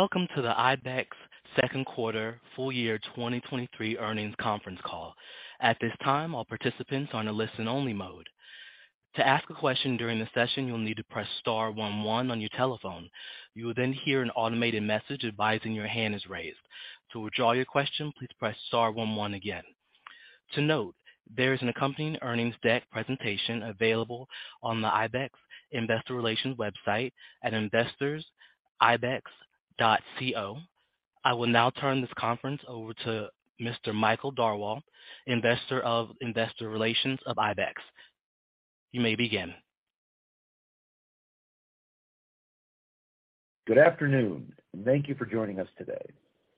Welcome to the ibex Q2 full year 2023 earnings conference call. At this time, all participants are on a listen-only mode. To ask a question during the session, you'll need to press star one one on your telephone. You will then hear an automated message advising your hand is raised. To withdraw your question, please press star one one again. To note, there is an accompanying earnings deck presentation available on the ibex Investor Relations website at investorsibex.co. I will now turn this conference over to Mr. Michael Darwal, investor of Investor Relations of ibex. You may begin. Good afternoon and thank you for joining us today.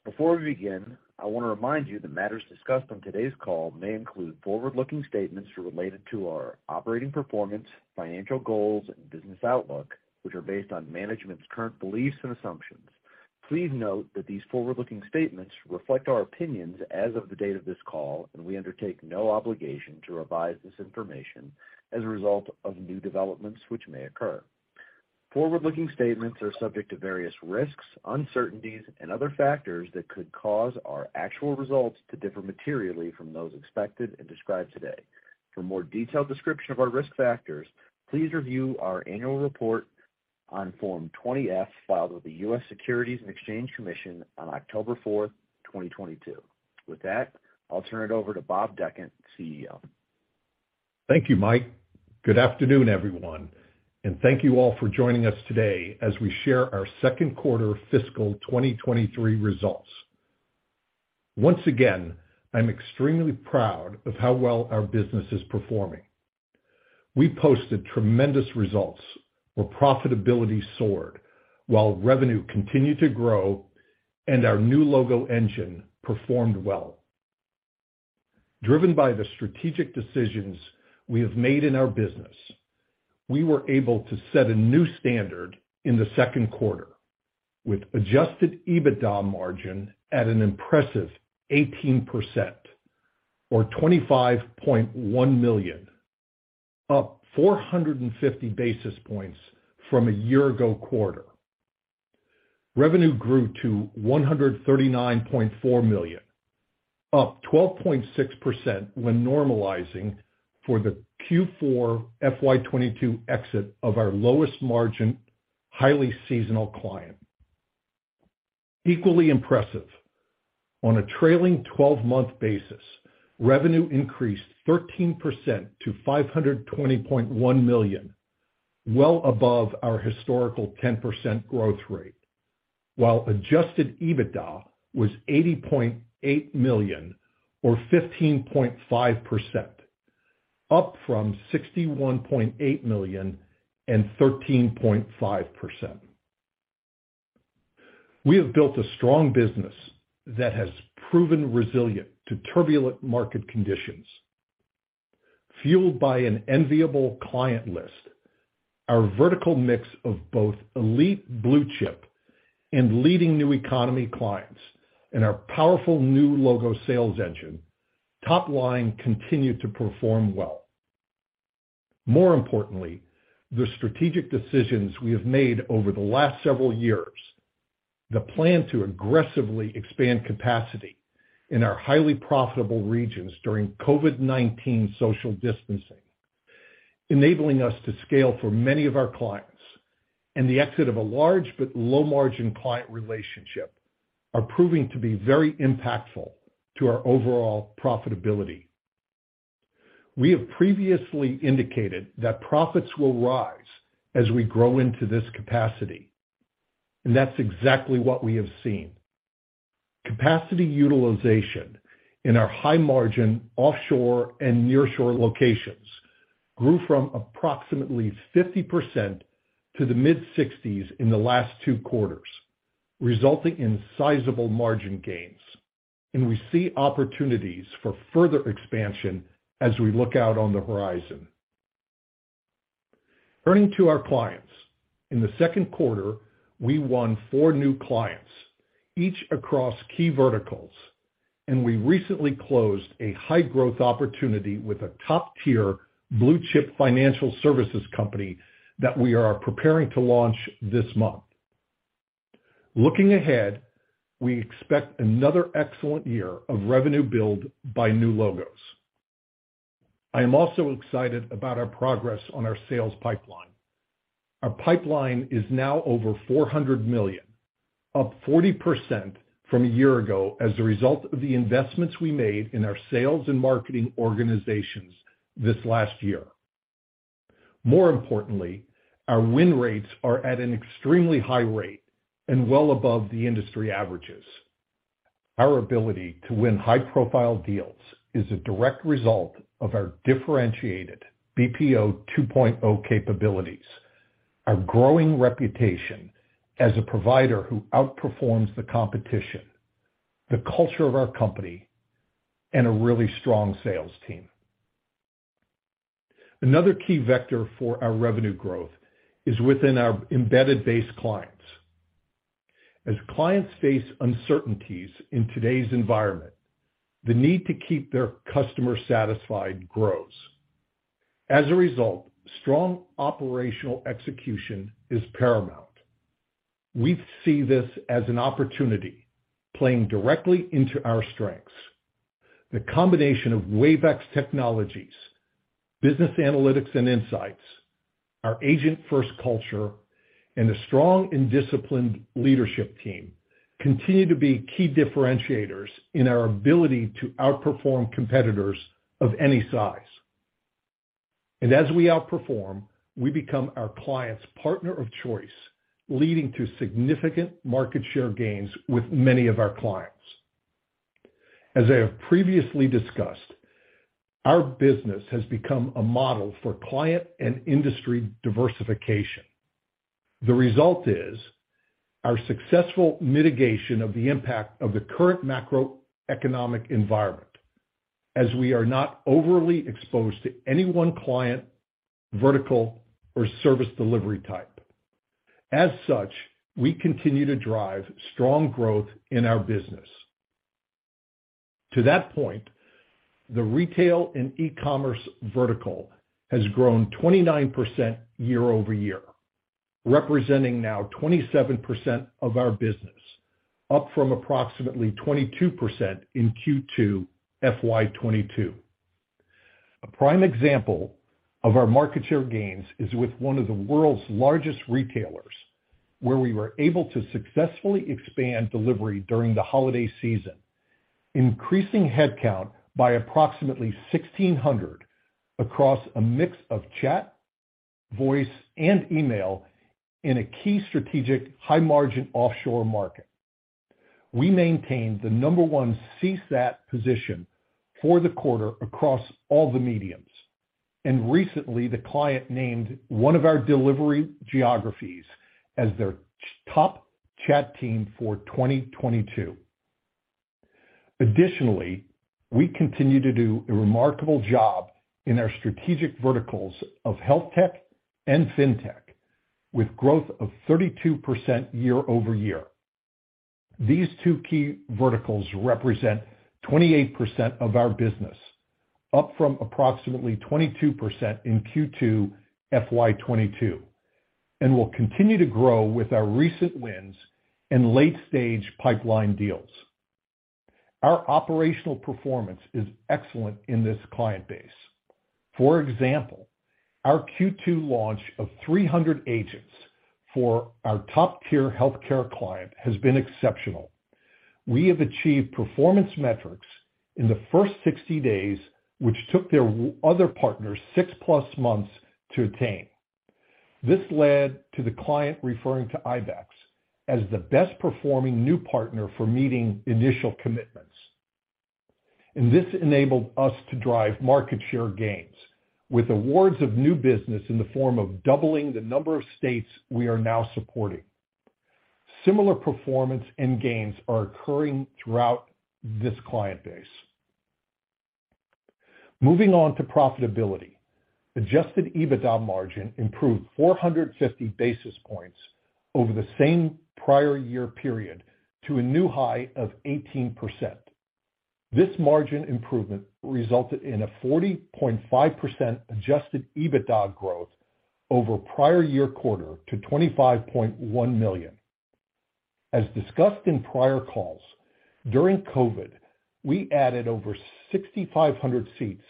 Before we begin, I want to remind you that matters discussed on today's call may include forward-looking statements related to our operating performance, financial goals and business outlook, which are based on management's current beliefs and assumptions. Please note that these forward-looking statements reflect our opinions as of the date of this call, and we undertake no obligation to revise this information as a result of new developments which may occur. Forward-looking statements are subject to various risks, uncertainties and other factors that could cause our actual results to differ materially from those expected and described today. For more detailed description of our risk factors, please review our annual report on Form 20-F filed with the US Securities and Exchange Commission on October fourth, 2022. With that, I'll turn it over to Bob Dechant, CEO. Thank you, Mike. Good afternoon, everyone, thank you all for joining us today as we share our Q2 fiscal 2023 results. Once again, I'm extremely proud of how well our business is performing. We posted tremendous results where profitability soared while revenue continued to grow and our new logo engine performed well. Driven by the strategic decisions we have made in our business, we were able to set a new standard in the second quarter with adjusted EBITDA margin at an impressive 18% or $25.1 million, up 450 basis points from a year-ago quarter. Revenue grew to $139.4 million, up 12.6% when normalizing for the Q4 FY 2022 exit of our lowest margin, highly seasonal client. Equally impressive, on a trailing twelve-month basis, revenue increased 13% to $520.1 million, well above our historical 10% growth rate, while adjusted EBITDA was $80.8 million or 15.5%, up from $61.8 million and 13.5%. We have built a strong business that has proven resilient to turbulent market conditions. Fueled by an enviable client list, our vertical mix of both elite blue chip and leading new economy clients, and our powerful new logo sales engine, top line continued to perform well. More importantly, the strategic decisions we have made over the last several years, the plan to aggressively expand capacity in our highly profitable regions during COVID-19 social distancing, enabling us to scale for many of our clients, and the exit of a large but low margin client relationship are proving to be very impactful to our overall profitability. We have previously indicated that profits will rise as we grow into this capacity, and that's exactly what we have seen. Capacity utilization in our high margin offshore and nearshore locations grew from approximately 50% to the mid-60s in the last two quarters, resulting in sizable margin gains, and we see opportunities for further expansion as we look out on the horizon. Turning to our clients. In the Q2, we won four new clients, each across key verticals, we recently closed a high growth opportunity with a top-tier blue chip financial services company that we are preparing to launch this month. Looking ahead, we expect another excellent year of revenue build by new logos. I am also excited about our progress on our sales pipeline. Our pipeline is now over $400 million, up 40% from a year ago as a result of the investments we made in our sales and marketing organizations this last year. More importantly, our win rates are at an extremely high rate and well above the industry averages. Our ability to win high-profile deals is a direct result of our differentiated BPO 2.0 capabilities, our growing reputation as a provider who outperforms the competition, the culture of our company, and a really strong sales team. Another key vector for our revenue growth is within our embedded base clients. As clients face uncertainties in today's environment, the need to keep their customer satisfied grows. As a result, strong operational execution is paramount. We see this as an opportunity playing directly into our strengths. The combination of Wave X technologies, business analytics and insights, our agent-first culture, and a strong and disciplined leadership team continue to be key differentiators in our ability to outperform competitors of any size. As we outperform, we become our client's partner of choice, leading to significant market share gains with many of our clients. As I have previously discussed, our business has become a model for client and industry diversification. The result is our successful mitigation of the impact of the current macroeconomic environment, as we are not overly exposed to any one client, vertical, or service delivery type. As such, we continue to drive strong growth in our business. To that point, the retail and e-commerce vertical has grown 29% year-over-year, representing now 27% of our business, up from approximately 22% in Q2 FY 2022. A prime example of our market share gains is with one of the world's largest retailers, where we were able to successfully expand delivery during the holiday season, increasing headcount by approximately 1,600 across a mix of chat, voice, and email in a key strategic high-margin offshore market. We maintained the number one CSAT position for the quarter across all the mediums. Recently, the client named one of our delivery geographies as their top chat team for 2022. Additionally, we continue to do a remarkable job in our strategic verticals of health tech and fintech with growth of 32% year-over-year. These two key verticals represent 28% of our business, up from approximately 22% in Q2 FY 2022, will continue to grow with our recent wins and late-stage pipeline deals. Our operational performance is excellent in this client base. For example, our Q2 launch of 300 agents for our top-tier healthcare client has been exceptional. We have achieved performance metrics in the first 60 days, which took their other partners 6+ months to attain. This led to the client referring to ibex as the best-performing new partner for meeting initial commitments. This enabled us to drive market share gains with awards of new business in the form of doubling the number of states we are now supporting. Similar performance and gains are occurring throughout this client base. Moving on to profitability. Adjusted EBITDA margin improved 450 basis points over the same prior year period to a new high of 18%. This margin improvement resulted in a 40.5% adjusted EBITDA growth over prior year quarter to $25.1 million. As discussed in prior calls, during COVID, we added over 6,500 seats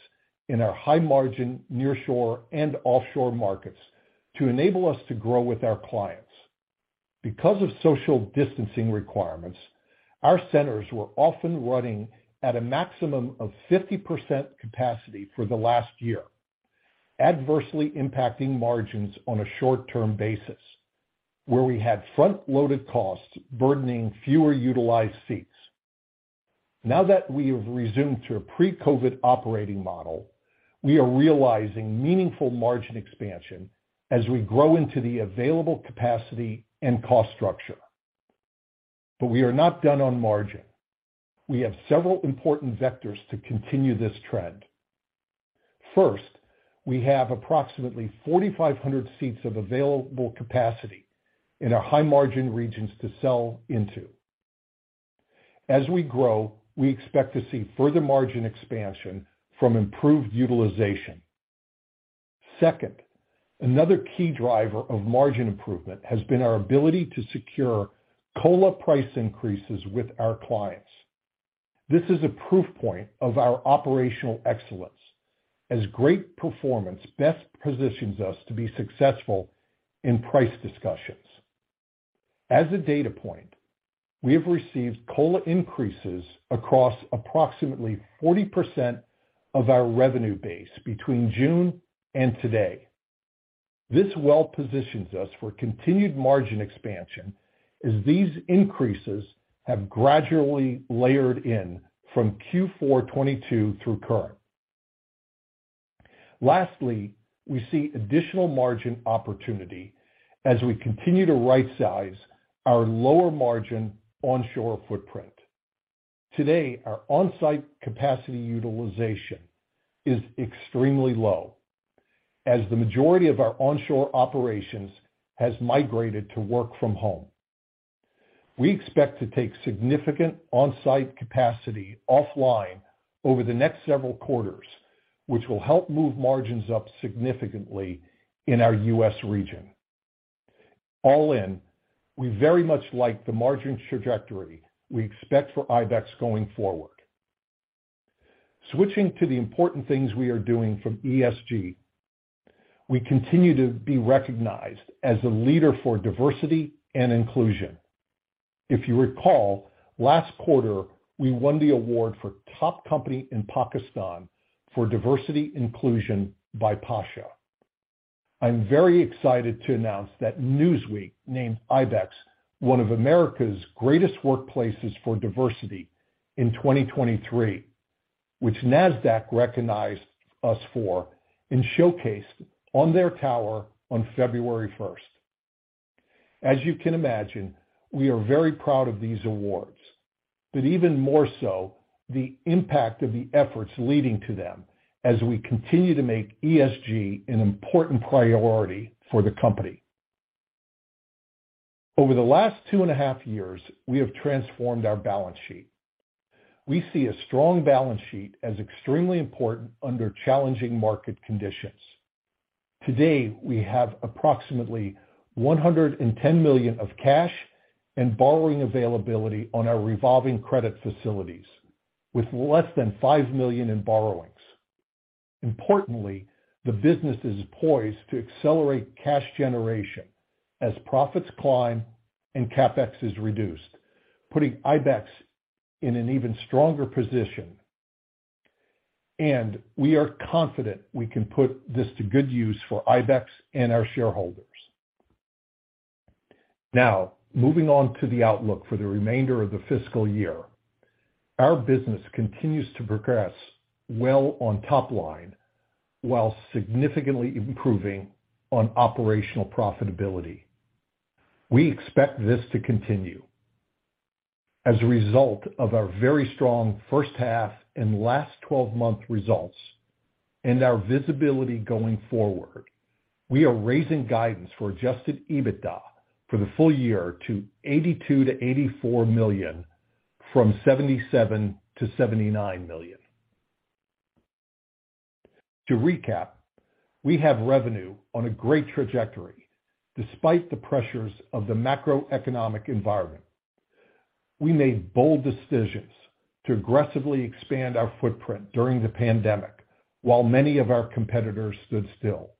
in our high margin nearshore and offshore markets to enable us to grow with our clients. Because of social distancing requirements, our centers were often running at a maximum of 50% capacity for the last year, adversely impacting margins on a short-term basis, where we had front-loaded costs burdening fewer utilized seats. Now that we have resumed to a pre-COVID operating model, we are realizing meaningful margin expansion as we grow into the available capacity and cost structure. We are not done on margin. We have several important vectors to continue this trend. First, we have approximately 4,500 seats of available capacity in our high-margin regions to sell into. As we grow, we expect to see further margin expansion from improved utilization. Second, another key driver of margin improvement has been our ability to secure Cola price increases with our clients. This is a proof point of our operational excellence as great performance best positions us to be successful in price discussions. As a data point, we have received Cola increases across approximately 40% of our revenue base between June and today. This well positions us for continued margin expansion as these increases have gradually layered in from Q4 2022 through current. Lastly, we see additional margin opportunity as we continue to right-size our lower margin onshore footprint. Today, our on-site capacity utilization is extremely low, as the majority of our onshore operations has migrated to work from home. We expect to take significant on-site capacity offline over the next several quarters, which will help move margins up significantly in our U.S. region. We very much like the margin trajectory we expect for ibex going forward. Switching to the important things we are doing from ESG. We continue to be recognized as a leader for diversity and inclusion. If you recall, last quarter, we won the award for top company in Pakistan for diversity inclusion by P@SHA. I'm very excited to announce that Newsweek named ibex one of America's greatest workplaces for diversity in 2023, which NASDAQ recognized us for and showcased on their tower on February first. As you can imagine, we are very proud of these awards, but even more so, the impact of the efforts leading to them as we continue to make ESG an important priority for the company. Over the last two and a half years, we have transformed our balance sheet. We see a strong balance sheet as extremely important under challenging market conditions. Today, we have approximately $110 million of cash and borrowing availability on our revolving credit facilities with less than $5 million in borrowings. Importantly, the business is poised to accelerate cash generation as profits climb and CapEx is reduced, putting ibex in an even stronger position. We are confident we can put this to good use for ibex and our shareholders. Moving on to the outlook for the remainder of the fiscal year. Our business continues to progress well on top line while significantly improving on operational profitability. We expect this to continue. As a result of our very strong first half and last twelve-month results and our visibility going forward, we are raising guidance for adjusted EBITDA for the full year to $82 million-$84 million from $77 million-$79 million. To recap, we have revenue on a great trajectory despite the pressures of the macroeconomic environment. We made bold decisions to aggressively expand our footprint during the pandemic, while many of our competitors stood still.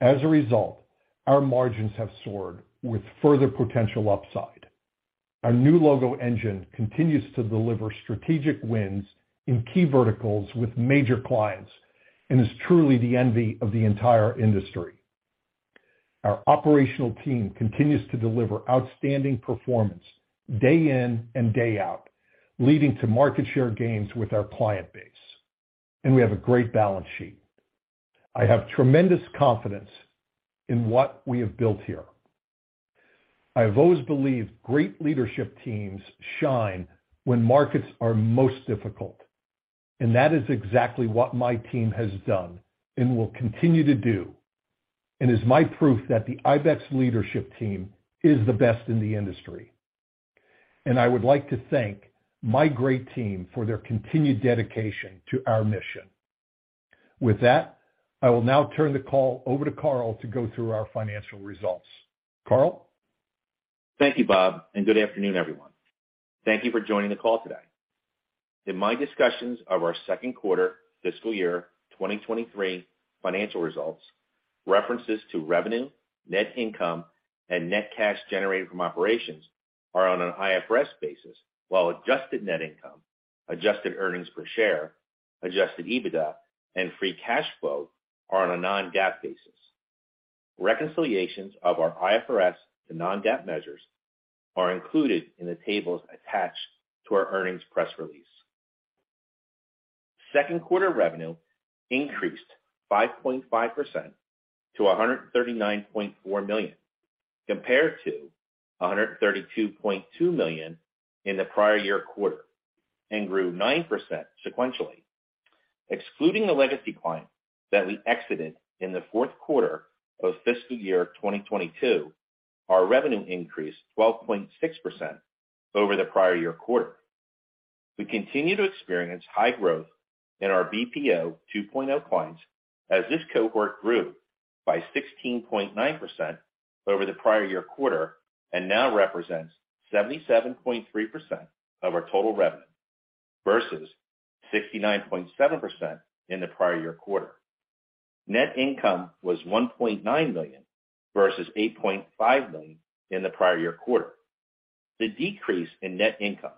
As a result, our margins have soared with further potential upside. Our new logo engine continues to deliver strategic wins in key verticals with major clients, and is truly the envy of the entire industry. Our operational team continues to deliver outstanding performance day in and day out, leading to market share gains with our client base. We have a great balance sheet. I have tremendous confidence in what we have built here. I have always believed great leadership teams shine when markets are most difficult, that is exactly what my team has done and will continue to do, and is my proof that the ibex leadership team is the best in the industry. I would like to thank my great team for their continued dedication to our mission. With that, I will now turn the call over to Karl to go through our financial results. Karl? Thank you, Bob, and good afternoon, everyone. Thank you for joining the call today. In my discussions of our Q2 fiscal year 2023 financial results, references to revenue, net income, and net cash generated from operations are on an IFRS basis, while adjusted net income, adjusted earnings per share, adjusted EBITDA, and free cash flow are on a non-GAAP basis. Reconciliations of our IFRS to non-GAAP measures are included in the tables attached to our earnings press release. Q2 revenue increased 5.5% to $139.4 million, compared to $132.2 million in the prior year quarter, and grew 9% sequentially. Excluding the legacy client that we exited in the Q4 of fiscal year 2022, our revenue increased 12.6% over the prior year quarter. We continue to experience high growth in our BPO 2.0 points as this cohort grew by 16.9% over the prior year quarter and now represents 77.3% of our total revenue versus 69.7% in the prior year quarter. Net income was $1.9 million versus $8.5 million in the prior year quarter. The decrease in net income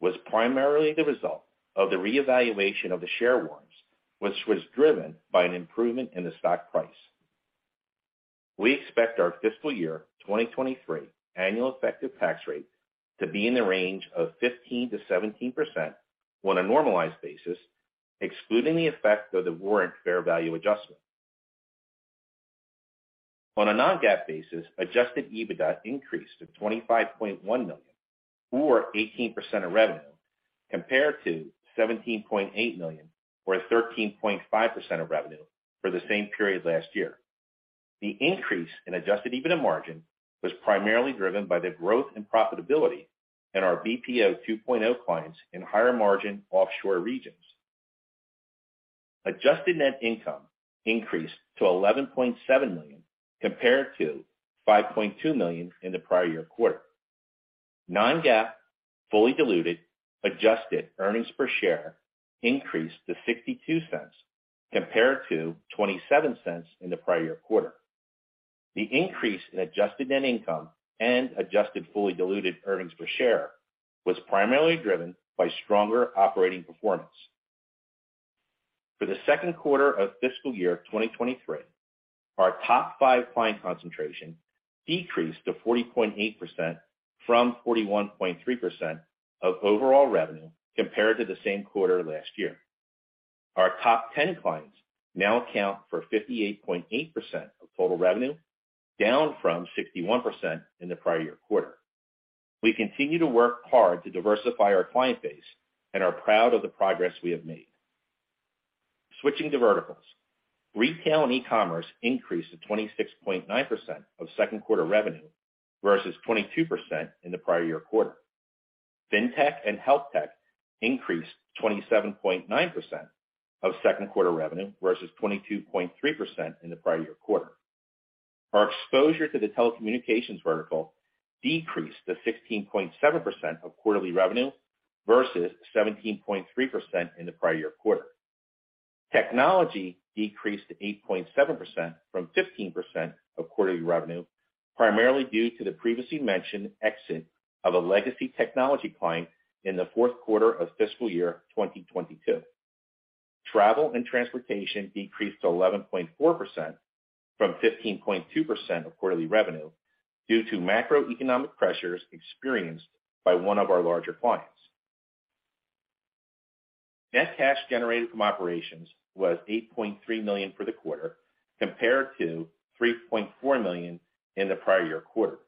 was primarily the result of the reevaluation of the share warrants, which was driven by an improvement in the stock price. We expect our fiscal year 2023 annual effective tax rate to be in the range of 15%-17% on a normalized basis, excluding the effect of the warrant fair value adjustment. On a non-GAAP basis, adjusted EBITDA increased to $25.1 million or 18% of revenue, compared to $17.8 million or a 13.5% of revenue for the same period last year. The increase in adjusted EBITDA margin was primarily driven by the growth and profitability in our BPO 2.0 clients in higher margin offshore regions. Adjusted net income increased to $11.7 million compared to $5.2 million in the prior year quarter. Non-GAAP, fully diluted, adjusted earnings per share increased to $0.62 compared to $0.27 in the prior year quarter. The increase in adjusted net income and adjusted fully diluted earnings per share was primarily driven by stronger operating performance. For the Q2 of fiscal year 2023, our top five client concentration decreased to 40.8% from 41.3% of overall revenue compared to the same quarter last year. Our top 10 clients now account for 58.8% of total revenue, down from 61% in the prior year quarter. We continue to work hard to diversify our client base and are proud of the progress we have made. Switching to verticals. Retail and e-commerce increased to 26.9% of Q2 revenue versus 22% in the prior year quarter. Fintech and health tech increased to 27.9% of Q2 revenue versus 22.3% in the prior year quarter. Our exposure to the telecommunications vertical decreased to 16.7% of quarterly revenue versus 17.3% in the prior year quarter. Technology decreased to 8.7% from 15% of quarterly revenue, primarily due to the previously mentioned exit of a legacy technology client in the Q4 of fiscal year 2022. Travel and transportation decreased to 11.4% from 15.2% of quarterly revenue due to macroeconomic pressures experienced by one of our larger clients. Net cash generated from operations was $8.3 million for the quarter compared to $3.4 million in the prior year quarter.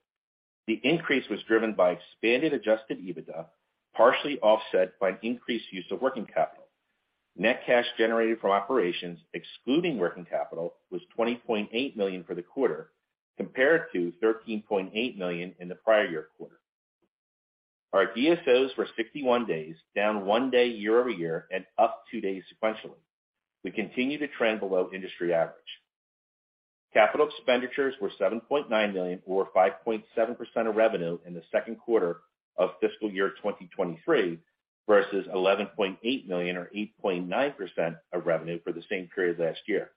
The increase was driven by expanded adjusted EBITDA, partially offset by an increased use of working capital. Net cash generated from operations excluding working capital was $20.8 million for the quarter compared to $13.8 million in the prior year quarter. Our DSOs were 61 days, down one day year-over-year and up two days sequentially. We continue to trend below industry average. Capital expenditures were $7.9 million or 5.7% of revenue in the Q2 of fiscal year 2023 versus $11.8 million or 8.9% of revenue for the same period last year.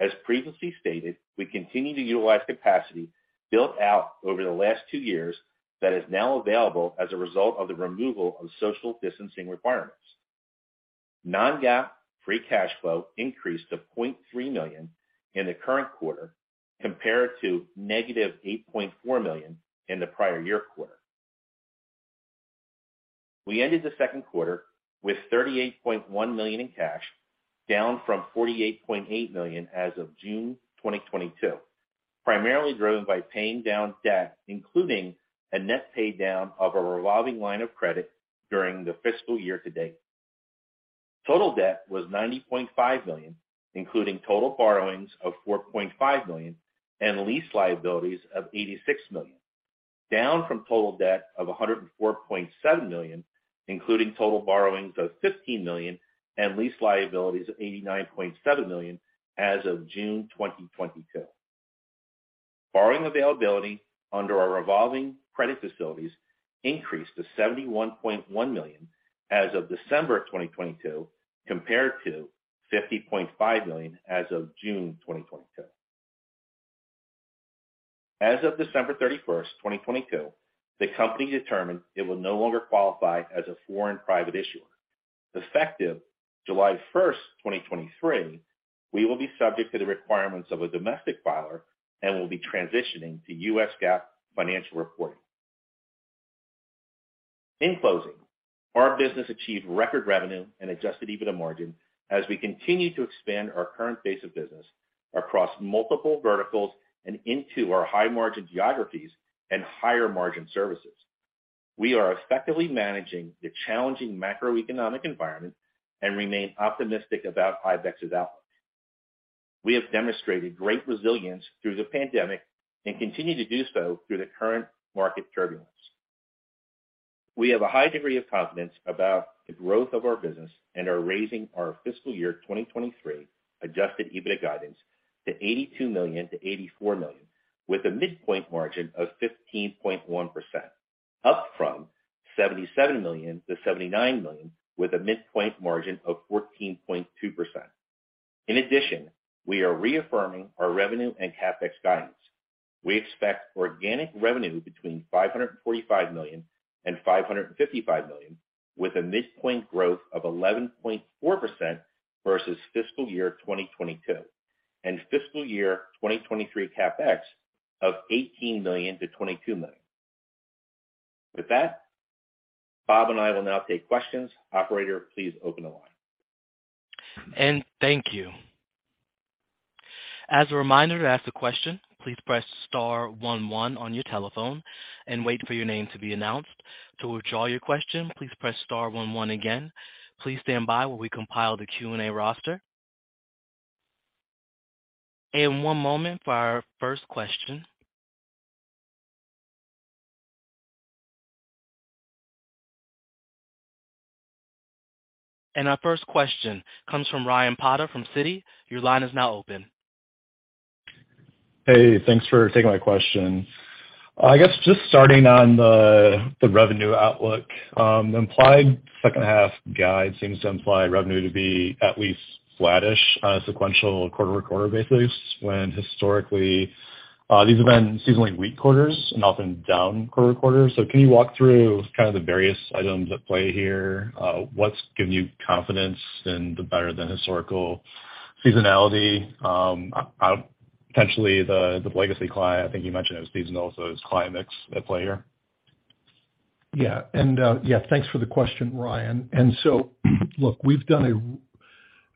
As previously stated, we continue to utilize capacity built out over the last two years that is now available as a result of the removal of social distancing requirements. Non-GAAP free cash flow increased to $0.3 million in the current quarter compared to negative $8.4 million in the prior year quarter. We ended the Q2 with $38.1 million in cash, down from $48.8 million as of June 2022, primarily driven by paying down debt, including a net pay down of a revolving line of credit during the fiscal year to date. Total debt was $90.5 million, including total borrowings of $4.5 million and lease liabilities of $86 million, down from total debt of $104.7 million, including total borrowings of $15 million and lease liabilities of $89.7 million as of June 2022. Borrowing availability under our revolving credit facilities increased to $71.1 million as of December 2022 compared to $50.5 million as of June 2022. As of December 31st 2022, the company determined it will no longer qualify as a foreign private issuer. Effective July 1st 2023, we will be subject to the requirements of a domestic filer and will be transitioning to U.S. GAAP financial reporting. Our business achieved record revenue and adjusted EBITDA margin as we continue to expand our current base of business across multiple verticals and into our high-margin geographies and higher-margin services. We are effectively managing the challenging macroeconomic environment and remain optimistic about ibex's outlook. We have demonstrated great resilience through the pandemic and continue to do so through the current market turbulence. We have a high degree of confidence about the growth of our business and are raising our fiscal year 2023 adjusted EBITDA guidance to $82 million-$84 million, with a midpoint margin of 15.1%, up from $77 million-$79 million with a midpoint margin of 14.2%. We are reaffirming our revenue and CapEx guidance. We expect organic revenue between $545 million and $555 million with a midpoint growth of 11.4% versus fiscal year 2022 and fiscal year 2023 CapEx of $18 million-$22 million. With that, Bob and I will now take questions. Operator, please open the line. Thank you. As a reminder, to ask a question, please press star one one on your telephone and wait for your name to be announced. To withdraw your question, please press star one one again. Please stand by while we compile the Q&A roster. One moment for our first question. Our first question comes from Ryan Potter from Citi. Your line is now open. Hey, thanks for taking my question. I guess just starting on the revenue outlook. The implied second half guide seems to imply revenue to be at least flattish on a sequential quarter recorder basis, when historically, these have been seasonally weak quarters and often down quarter-quarter. Can you walk through kind of the various items at play here? What's giving you confidence in the better than historical seasonality? Potentially the legacy client, I think you mentioned it was seasonal, so it's client mix at play here? Yeah. Thanks for the question, Ryan. Look, we've done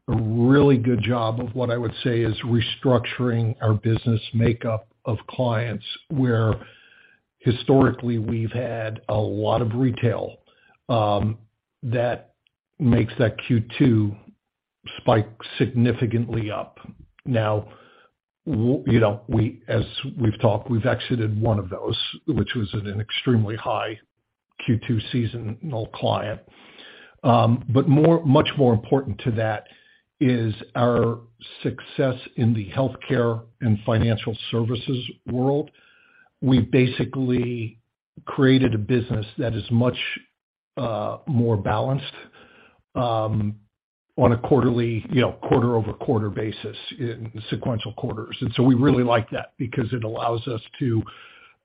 a really good job of what I would say is restructuring our business makeup of clients, where historically we've had a lot of retail, that makes that Q2 spike significantly up. Now, you know, as we've talked, we've exited one of those, which was at an extremely high Q2 seasonal client. More, much more important to that is our success in the healthcare and financial services world. We basically created a business that is much more balanced, on a quarterly, you know, quarter-over-quarter basis in sequential quarters. We really like that because it allows us to,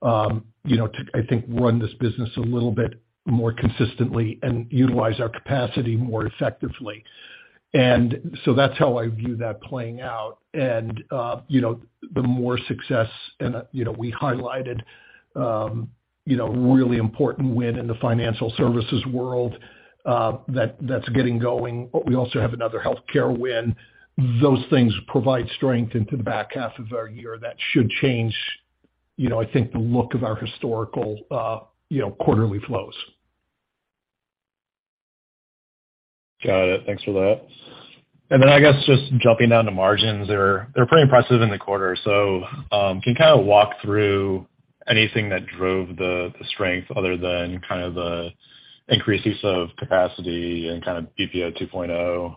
you know, to, I think, run this business a little bit more consistently and utilize our capacity more effectively. That's how I view that playing out. You know, the more success and, you know, we highlighted, you know, really important win in the financial services world, that's getting going, but we also have another healthcare win. Those things provide strength into the back half of our year that should change, you know, I think the look of our historical, you know, quarterly flows. Got it. Thanks for that. I guess just jumping down to margins, they're pretty impressive in the quarter. Kind of walk through anything that drove the strength other than kind of the increases of capacity and kind of BPO 2.0.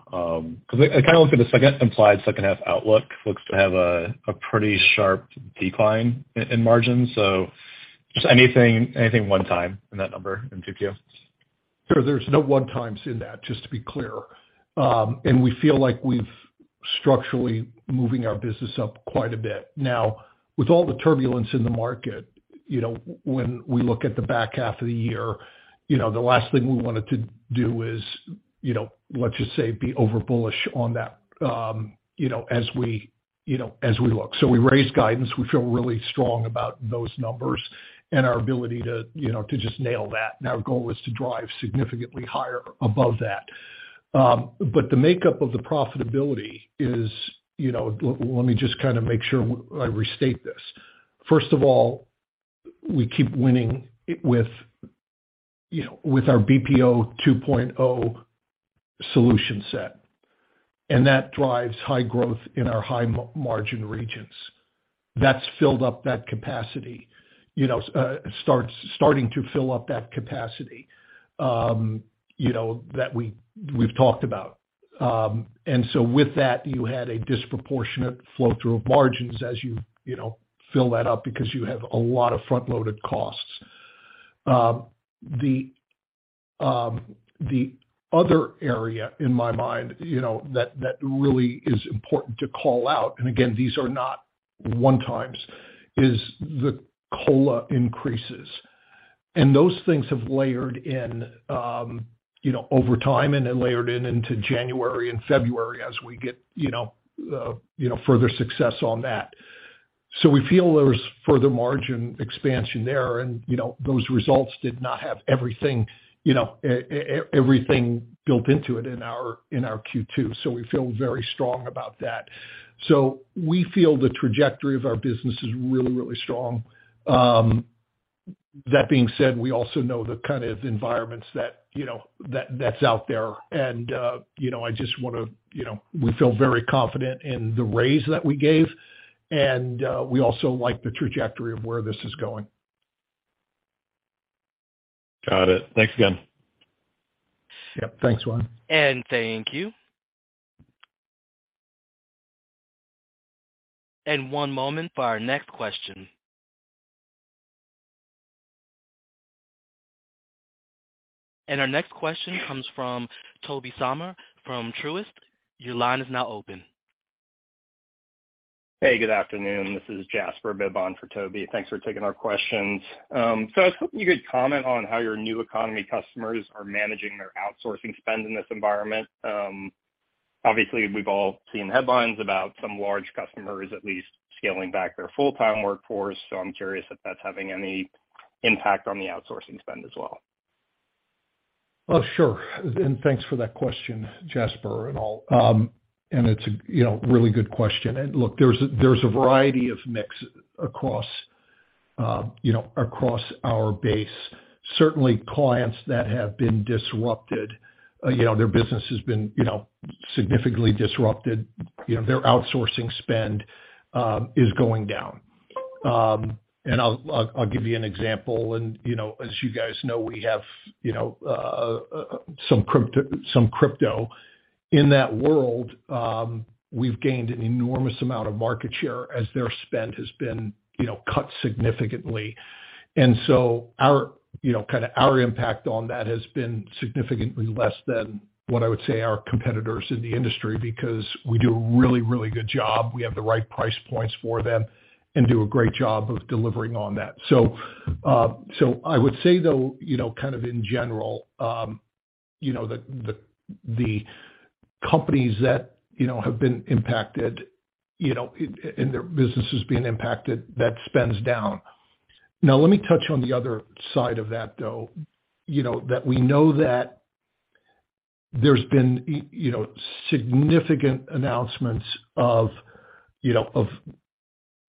Cause I kind of looked at the implied second half outlook, looks to have a pretty sharp decline in margin. Just anything one-time in that number in BPO. Sure. There's no one-times in that, just to be clear. We feel like we've structurally moving our business up quite a bit. Now, with all the turbulence in the market, you know, when we look at the back half of the year, you know, the last thing we wanted to do is, you know, let's just say, be over bullish on that, you know, as we, you know, as we look. We raised guidance. We feel really strong about those numbers and our ability to, you know, to just nail that. Our goal is to drive significantly higher above that. The makeup of the profitability is, you know, let me just kind of make sure I restate this. First of all, we keep winning with, you know, with our BPO 2.0 solution set. That drives high growth in our high margin regions. That's filled up that capacity, you know, starting to fill up that capacity, you know, that we've talked about. With that, you had a disproportionate flow through of margins as you know, fill that up because you have a lot of front-loaded costs. The other area in my mind, you know, that really is important to call out. Again, these are not one-times, is the Cola increases. Those things have layered in, you know, over time and then layered in into January and February as we get, you know, further success on that. We feel there's further margin expansion there. You know, those results did not have everything, you know, everything built into it in our Q2. We feel very strong about that. We feel the trajectory of our business is really, really strong. That being said, we also know the kind of environments that, you know, that's out there. You know, I just wanna, you know, we feel very confident in the raise that we gave, and we also like the trajectory of where this is going. Got it. Thanks again. Yep. Thanks, Ryan. Thank you. One moment for our next question. Our next question comes from Tobey Sommer from Truist. Your line is now open. Hey, good afternoon. This is Jasper Bibb for Tobey. Thanks for taking our questions. I was hoping you could comment on how your new economy customers are managing their outsourcing spend in this environment. Obviously, we've all seen headlines about some large customers at least scaling back their full-time workforce. I'm curious if that's having any impact on the outsourcing spend as well. Oh, sure. Thanks for that question, Jasper, and I'll. It's a you know, really good question. Look, there's a variety of mix across, you know, across our base. Certainly clients that have been disrupted, you know, their business has been, you know, significantly disrupted, you know, their outsourcing spend is going down. I'll give you an example. You know, as you guys know, we have, you know, some crypto. In that world, we've gained an enormous amount of market share as their spend has been, you know, cut significantly. So our, you know, kinda our impact on that has been significantly less than what I would say our competitors in the industry, because we do a really, really good job. We have the right price points for them and do a great job of delivering on that. I would say though, kind of in general, the companies that have been impacted, and their business has been impacted, that spend's down. Now let me touch on the other side of that, though, that we know that there's been significant announcements of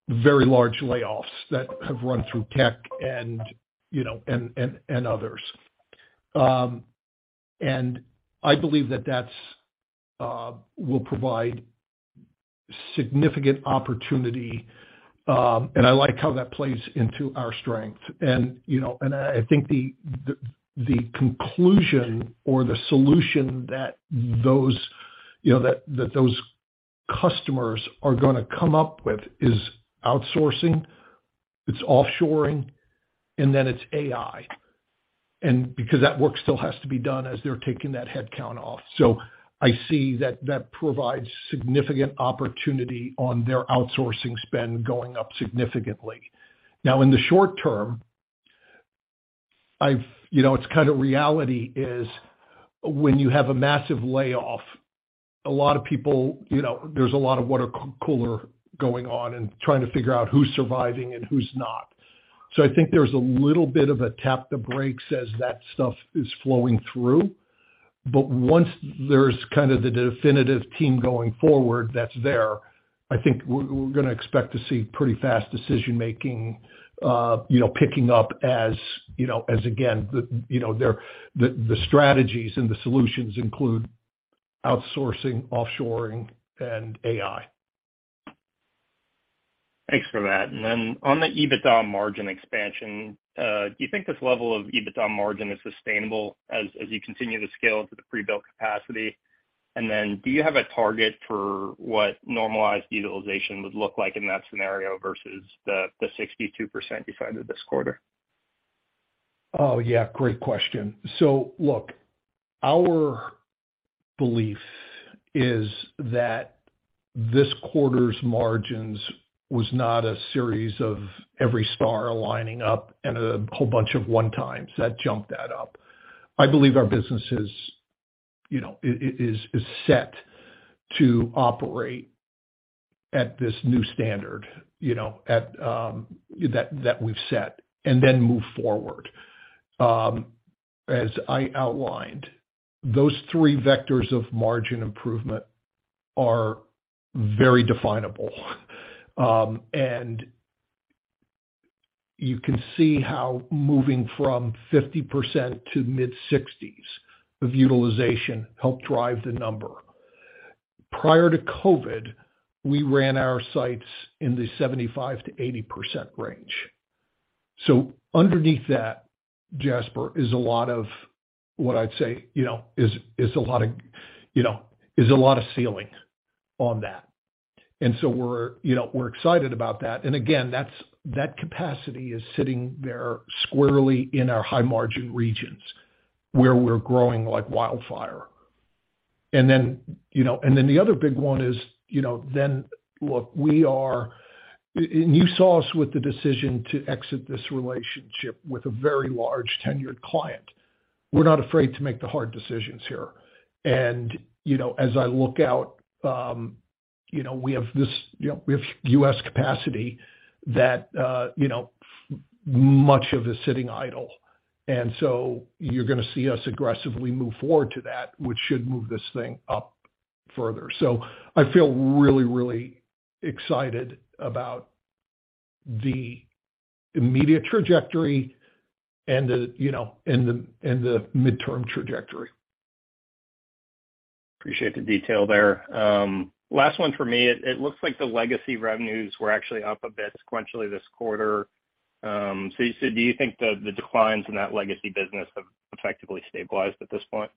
very large layoffs that have run through tech and, and others. I believe that that's will provide significant opportunity, and I like how that plays into our strength. You know, and I think the conclusion or the solution that those, you know, those customers are gonna come up with is outsourcing, it's offshoring, and then it's AI. Because that work still has to be done as they're taking that headcount off. I see that provides significant opportunity on their outsourcing spend going up significantly. In the short term, I've, you know, it's kind of reality is when you have a massive layoff, a lot of people, you know, there's a lot of water cooler going on and trying to figure out who's surviving and who's not. I think there's a little bit of a tap the brakes as that stuff is flowing through. Once there's kind of the definitive team going forward that's there, I think we're gonna expect to see pretty fast decision-making, you know, picking up as, you know, as again, the, you know, the strategies and the solutions include outsourcing, offshoring, and AI. Thanks for that. On the EBITDA margin expansion, do you think this level of EBITDA margin is sustainable as you continue to scale to the pre-built capacity? Do you have a target for what normalized utilization would look like in that scenario versus the 62% you cited this quarter? Yeah. Great question. Look, our belief is that this quarter's margins was not a series of every star aligning up and a whole bunch of one-times that jumped that up. I believe our business is, you know, is set to operate at this new standard, you know, at that we've set, and then move forward. As I outlined, those three vectors of margin improvement are very definable. You can see how moving from 50% to mid-60s of utilization helped drive the number. Prior to COVID, we ran our sites in the 75%-80% range. Underneath that, Jasper, is a lot of what I'd say, you know, is a lot of ceiling on that. We're, you know, we're excited about that. Again, that's, that capacity is sitting there squarely in our high-margin regions where we're growing like wildfire. Then, you know, and then the other big one is, you know, then look, we are. You saw us with the decision to exit this relationship with a very large tenured client. We're not afraid to make the hard decisions here. You know, as I look out, you know, we have this, you know, we have U.S. capacity that, you know, much of is sitting idle. So you're gonna see us aggressively move forward to that, which should move this thing up further. I feel really, really excited about the immediate trajectory and the, you know, and the midterm trajectory. Appreciate the detail there. Last one for me. It looks like the legacy revenues were actually up a bit sequentially this quarter. You said, do you think the declines in that legacy business have effectively stabilized at this point?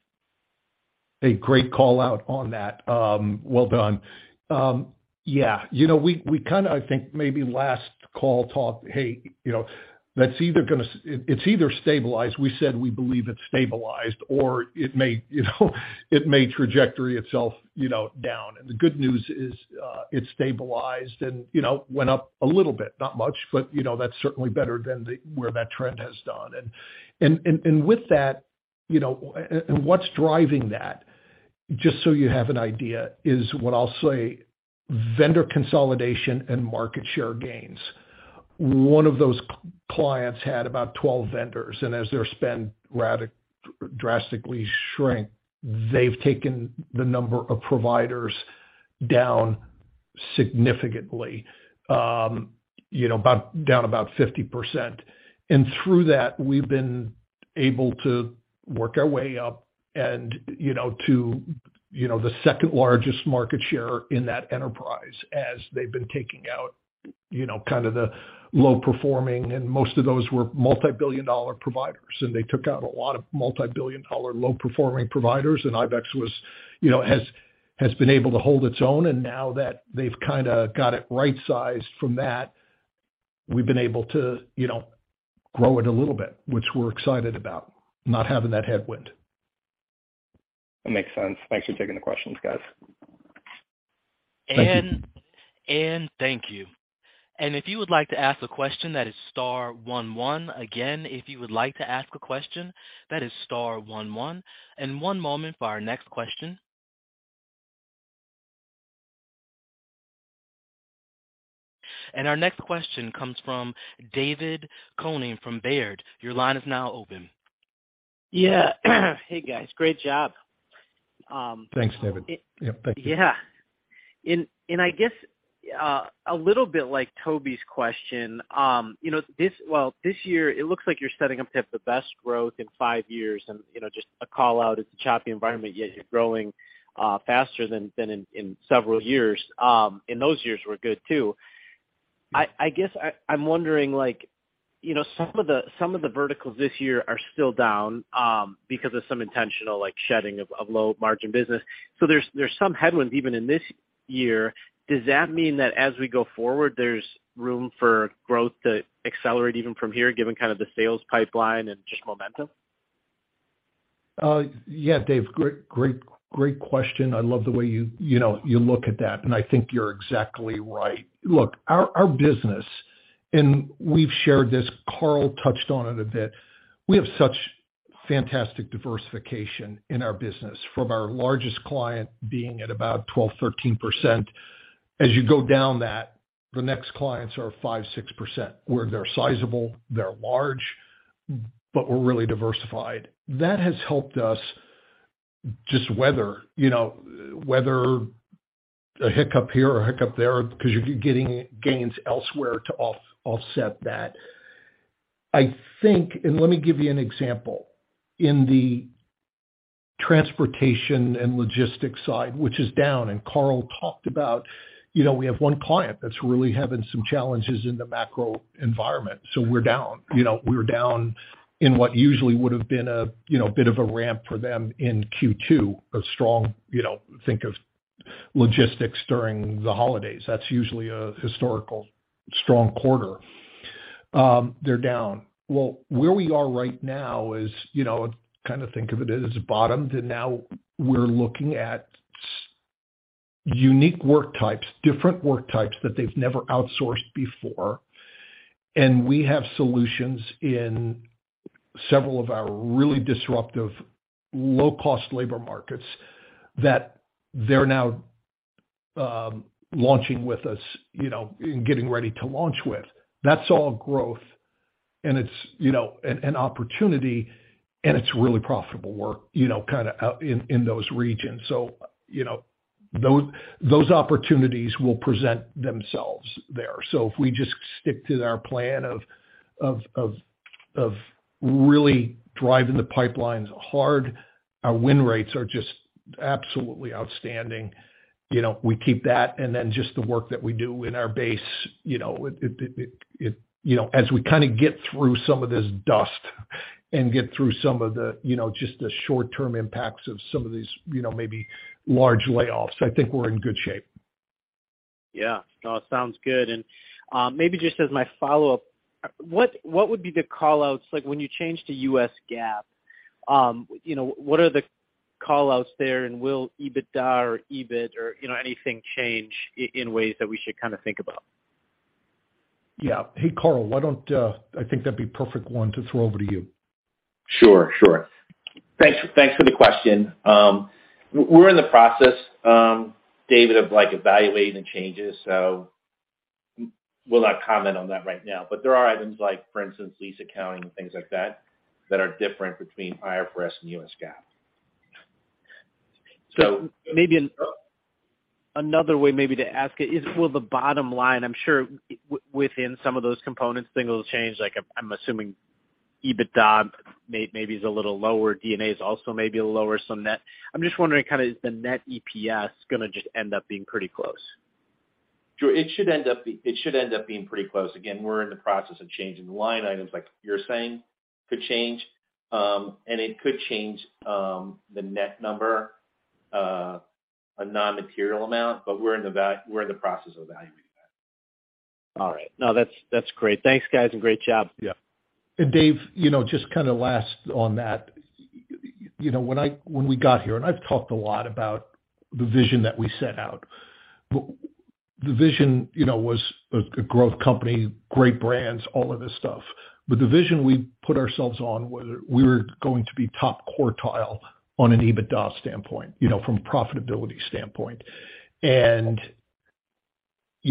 Hey, great call out on that. Well done. Yeah, you know, we kinda I think maybe last call talked, hey, you know, that's either gonna it's either stabilized, we said we believe it's stabilized or it may, you know, it may trajectory itself, you know, down. The good news is, it stabilized and, you know, went up a little bit, not much, but, you know, that's certainly better than the, where that trend has done. With that, you know, and what's driving that, just so you have an idea, is what I'll say, vendor consolidation and market share gains. One of those clients had about 12 vendors, and as their spend drastically shrink, they've taken the number of providers down significantly, you know, about, down about 50%. Through that, we've been able to work our way up and, you know, to, you know, the second-largest market share in that enterprise as they've been taking out, you know, kind of the low performing, and most of those were multi-billion dollar providers. They took out a lot of multi-billion dollar low performing providers, and ibex was, you know, has been able to hold its own. Now that they've kinda got it right-sized from that, we've been able to, you know, grow it a little bit, which we're excited about, not having that headwind. That makes sense. Thanks for taking the questions, guys. Thank you. Thank you. If you would like to ask a question, that is star one one. Again, if you would like to ask a question, that is star one one. One moment for our next question. Our next question comes from David Koning from Baird. Your line is now open. Yeah. Hey, guys. Great job. Thanks, David. Yep, thank you. Yeah. I guess a little bit like Tobey's question, you know, well, this year it looks like you're setting up to have the best growth in five years. You know, just a call out, it's a choppy environment, yet you're growing faster than in several years. And those years were good too. I guess I'm wondering like, you know, some of the verticals this year are still down because of some intentional like, shedding of low margin business. There's some headwinds even in this year. Does that mean that as we go forward, there's room for growth to accelerate even from here, given kind of the sales pipeline and just momentum? Yeah, Dave. Great question. I love the way you know, you look at that, and I think you're exactly right. Look, our business, and we've shared this, Karl touched on it a bit. We have such fantastic diversification in our business from our largest client being at about 12%-13%. As you go down that, the next clients are 5%-6%, where they're sizable, they're large, but we're really diversified. That has helped us just weather, you know, weather a hiccup here or a hiccup there because you're getting gains elsewhere to offset that. I think, and let me give you an example. In the transportation and logistics side, which is down, and Carl talked about, you know, we have one client that's really having some challenges in the macro environment, so we're down. You know, we're down in what usually would have been a, you know, bit of a ramp for them in Q2. A strong, you know, think of logistics during the holidays. That's usually a historical strong quarter. They're down. Well, where we are right now is, you know, kind of think of it as it's bottomed, and now we're looking at unique work types, different work types that they've never outsourced before. We have solutions in several of our really disruptive low-cost labor markets that they're now launching with us, you know, and getting ready to launch with. That's all growth, and it's, you know, an opportunity, and it's really profitable work, you know, kinda in those regions. You know, those opportunities will present themselves there. If we just stick to our plan of really driving the pipelines hard, our win rates are just absolutely outstanding. You know, we keep that, and then just the work that we do in our base, you know, it... You know, as we kinda get through some of this dust and get through some of the, you know, just the short-term impacts of some of these, you know, maybe large layoffs, I think we're in good shape. No, it sounds good. Maybe just as my follow-up, what would be the call-outs like when you change to U.S. GAAP, you know, what are the call-outs there? Will EBITDA or EBIT or, you know, anything change in ways that we should kind of think about? Yeah. Hey, Karl, why don't, I think that'd be perfect one to throw over to you. Sure. Thanks for the question. We're in the process, David, of like, evaluating the changes, will not comment on that right now. There are items like, for instance, lease accounting and things like that are different between IFRS and U.S. GAAP. Maybe another way maybe to ask it is, will the bottom line... I'm sure within some of those components things will change, like I'm assuming EBITDA maybe is a little lower, D&A is also maybe lower, so net. I'm just wondering kinda is the net EPS gonna just end up being pretty close? Sure. It should end up being pretty close. Again, we're in the process of changing the line items, like you're saying could change. It could change the net number, a non-material amount, but we're in the process of evaluating that. All right. No, that's great. Thanks, guys, and great job. Yeah. Dave, you know, just kinda last on that. You know, when we got here, and I've talked a lot about the vision that we set out. The vision, you know, was a growth company, great brands, all of this stuff. The vision we put ourselves on was we were going to be top quartile on an EBITDA standpoint, you know, from a profitability standpoint. You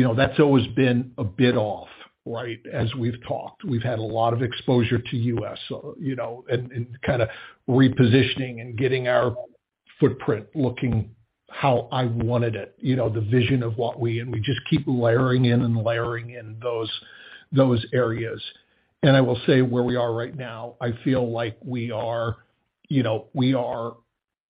know, that's always been a bit off, right? As we've talked, we've had a lot of exposure to U.S., you know, and kinda repositioning and getting our footprint looking how I wanted it, you know, the vision of what we... We just keep layering in those areas. I will say where we are right now, I feel like we are, you know,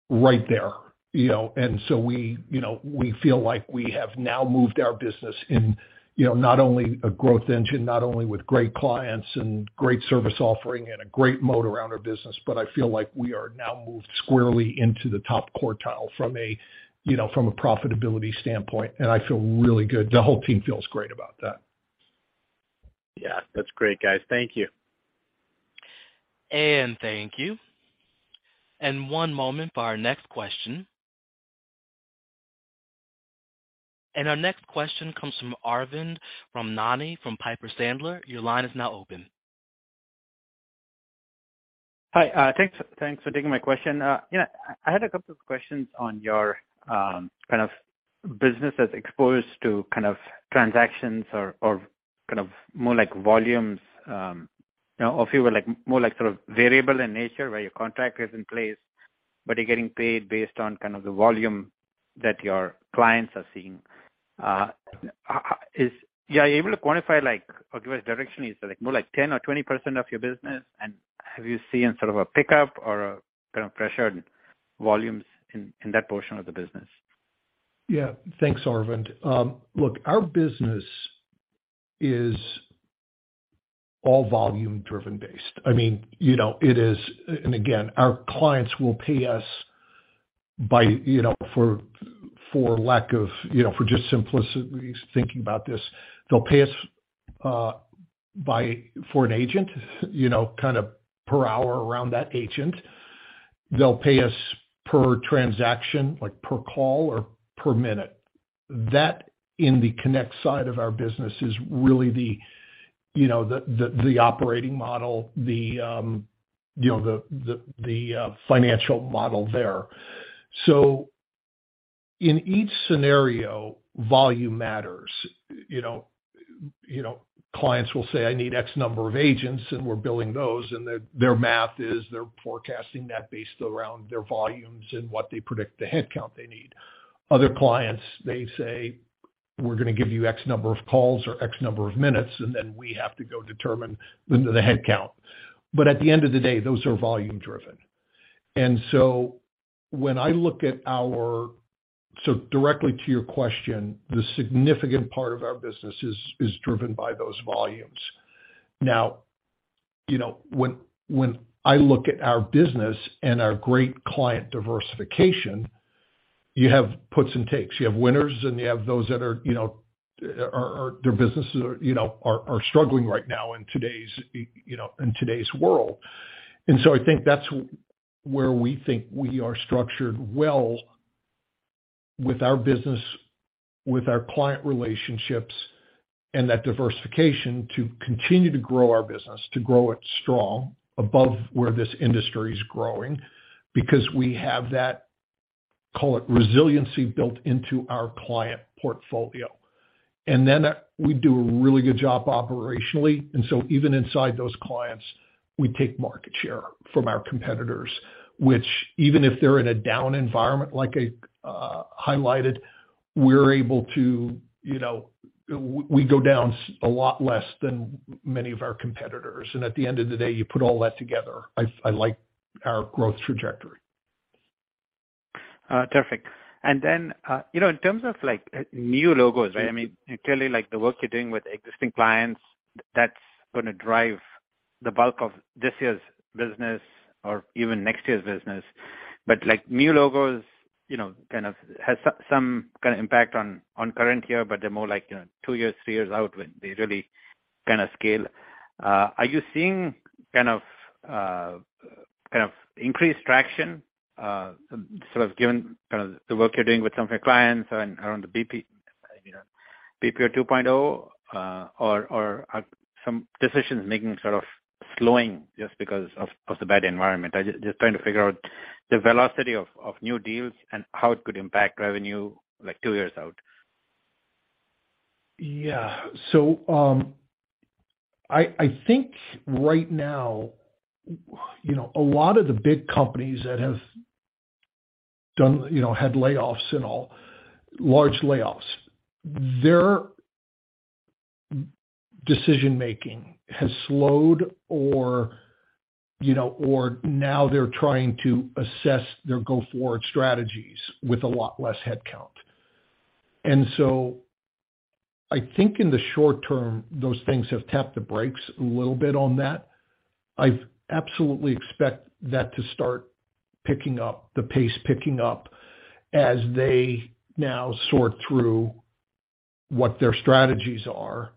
right there, you know. We, you know, we feel like we have now moved our business in, you know, not only a growth engine, not only with great clients and great service offering and a great mode around our business, but I feel like we are now moved squarely into the top quartile from a, you know, from a profitability standpoint. I feel really good. The whole team feels great about that. Yeah. That's great, guys. Thank you. Thank you. One moment for our next question. Our next question comes from Arvind Ramnani from Piper Sandler. Your line is now open. Hi. thanks for taking my question. yeah. I had a couple of questions on your kind of business as exposed to kind of transactions or kind of more like volumes, you know, or if you were like, more like sort of variable in nature, where your contract is in place, but you're getting paid based on kind of the volume that your clients are seeing. Are you able to quantify, like, or give us direction? Is it like more like 10% or 20% of your business? Have you seen sort of a pickup or a kind of pressure in volumes in that portion of the business? Yeah. Thanks, Arvind. Look, our business is all volume driven based. I mean, you know, it is again, our clients will pay us by, you know, for lack of, you know, for just simplicity thinking about this, they'll pay us by for an agent, you know, kind of per hour around that agent. They'll pay us per transaction, like per call or per minute. That in the connect side of our business is really the, you know, the, the operating model, the, you know, the, the financial model there. In each scenario, volume matters. You know, clients will say, "I need X number of agents," and we're billing those. Their math is they're forecasting that based around their volumes and what they predict the headcount they need. Other clients, they say, "We're gonna give you X number of calls or X number of minutes," and then we have to go determine the headcount. At the end of the day, those are volume driven. When I look at our. Directly to your question, the significant part of our business is driven by those volumes. You know, when I look at our business and our great client diversification, you have puts and takes. You have winners and you have those that are, you know, or their businesses are, you know, are struggling right now in today's, you know, in today's world. I think that's where we think we are structured well with our business, with our client relationships and that diversification to continue to grow our business, to grow it strong above where this industry is growing, because we have that, call it, resiliency built into our client portfolio. Then, we do a really good job operationally, and so even inside those clients, we take market share from our competitors. Which even if they're in a down environment like I highlighted, we're able to, you know, we go down a lot less than many of our competitors. At the end of the day, you put all that together, I like our growth trajectory. Terrific. You know, in terms of like new logos, right? I mean, clearly, like the work you're doing with existing clients, that's gonna drive the bulk of this year's business or even next year's business. Like new logos, you know, kind of has some kind of impact on current year, but they're more like, you know, two years, three years out when they really kinda scale. Are you seeing kind of increased traction, sort of given kind of the work you're doing with some of your clients around BPO 2.0, or are some decisions making sort of slowing just because of the bad environment? I just trying to figure out the velocity of new deals and how it could impact revenue like two years out. I think right now, you know, a lot of the big companies that have done, you know, had layoffs and all, large layoffs, their decision-making has slowed or, you know, or now they're trying to assess their go forward strategies with a lot less headcount. I think in the short term, those things have tapped the brakes a little bit on that. I've absolutely expect that to start picking up, the pace picking up as they now sort through what their strategies are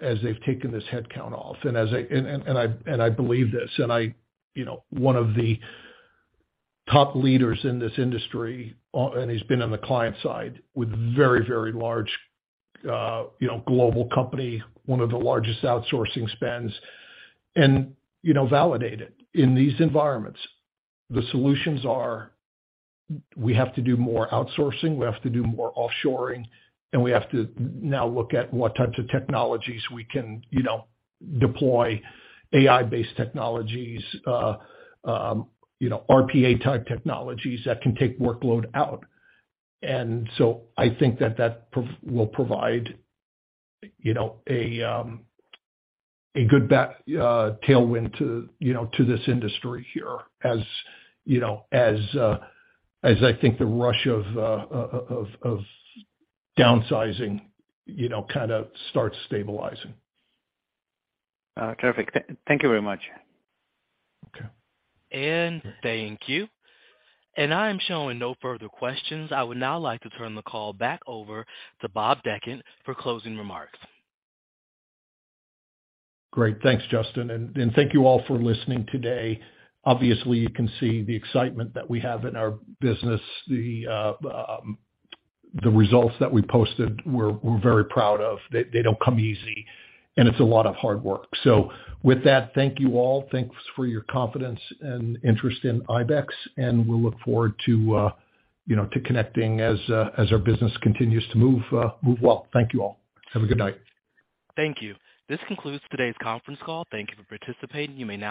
as they've taken this headcount off. I believe this, and I, you know, one of the top leaders in this industry, and he's been on the client side with very, very large, you know, global company, one of the largest outsourcing spends, and, you know, validated. In these environments, the solutions are, we have to do more outsourcing, we have to do more offshoring, and we have to now look at what types of technologies we can, you know, deploy, AI-based technologies, you know, RPA type technologies that can take workload out. I think that pro-- will provide, you know, a good tailwind to, you know, to this industry here as, you know, as I think the rush of downsizing, you know, kinda starts stabilizing. Terrific. Thank you very much. Okay. Thank you. I am showing no further questions. I would now like to turn the call back over to Bob Dechant for closing remarks. Great. Thanks, Justin. Thank you all for listening today. Obviously, you can see the excitement that we have in our business. The results that we posted, we're very proud of. They don't come easy, and it's a lot of hard work. With that, thank you all. Thanks for your confidence and interest in ibex, and we'll look forward to, you know, to connecting as our business continues to move well. Thank you all. Have a good night. Thank you. This concludes today's conference call. Thank you for participating. You may now disconnect.